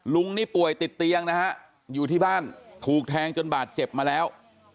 ลุงนี่ป่วยติดเตียงนะฮะอยู่ที่บ้านถูกแทงจนบาดเจ็บมาแล้ว